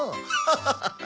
ハハハッ！